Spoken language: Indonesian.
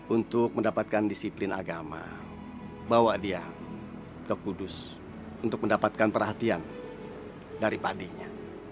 untuk mendapatkan disiplin agama bawa dia ke kudus untuk mendapatkan perhatian dari padinya